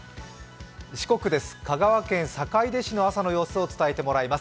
四国です、香川県坂出市の朝の様子を伝えてもらいます。